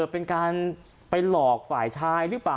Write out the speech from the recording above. เป็นการไปหลอกฝ่ายชายหรือเปล่า